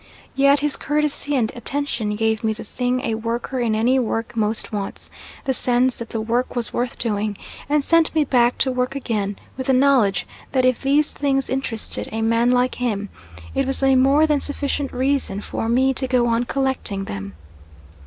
Yet his courtesy and attention gave me the thing a worker in any work most wants the sense that the work was worth doing and sent me back to work again with the knowledge that if these things interested a man like him, it was a more than sufficient reason for me to go on collecting them.